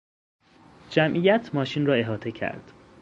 جمعیت ماشین را احاطه کرد.